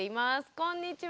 こんにちは。